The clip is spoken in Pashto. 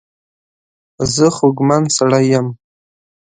زه خوږمن سړی یم.